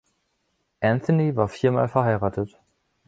Anthony war viermal verheiratet.